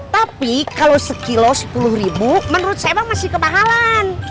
tapi kalau sekilo sepuluh ribu menurut saya emang masih kemahalan